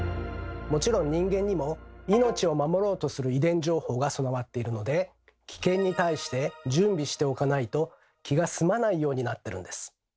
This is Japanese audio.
もちろん人間にも命を守ろうとする遺伝情報が備わっているので危険に対して準備しておかないと気が済まないようになってるんです。